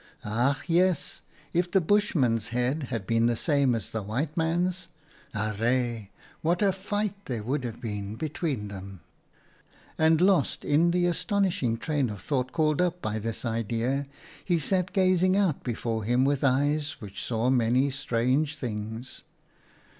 Ach yes ! if the Bushman's head had been the same as the white man's, arre" ! what a fight there would have been between them !" And lost in the astonishing train of thought called up by this idea, he sat gazing out before him with eyes which saw many strange things.